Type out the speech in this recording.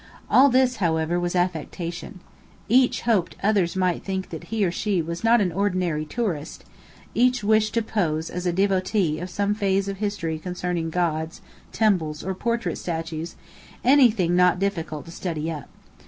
All this, however, was affectation. Each hoped others might think that he or she was not an ordinary tourist: each wished to pose as a devotee of some phase of history concerning gods, temples, or portrait statues, anything not difficult to "study up."